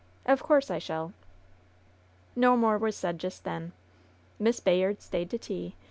"Of course I shall/' No more was said just then. Miss Bayard stayed to tea.